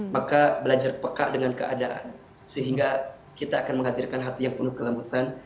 maka belajar peka dengan keadaan sehingga kita akan menghadirkan hati yang penuh kelembutan